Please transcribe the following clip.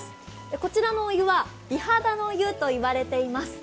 こちらのお湯は美肌の湯と言われています。